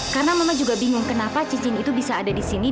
karena mama juga bingung kenapa cincin itu bisa ada di sini